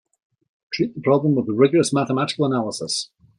Treat the problem with rigorous mathematical analysis.